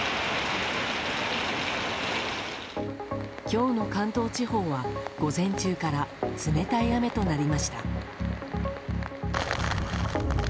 今日の関東地方は午前中から冷たい雨となりました。